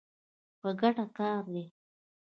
په ګټه کار دی.